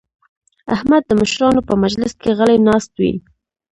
احمد د مشرانو په مجلس کې غلی ناست وي.